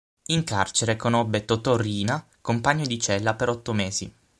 In carcere conobbe Totò Riina, compagno di cella per otto mesi.